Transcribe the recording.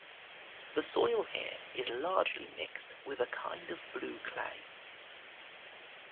The soil here is largely mixed with a kind of blue clay.